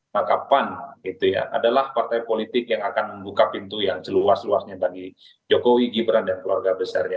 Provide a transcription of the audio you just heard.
maka pan adalah partai politik yang akan membuka pintu yang seluas luasnya bagi jokowi gibran dan keluarga besarnya